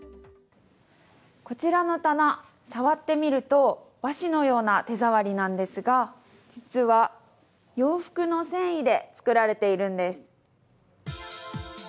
こちらの棚、触ってみると和紙のような手触りなんですが、実は洋服の繊維で作られているんです。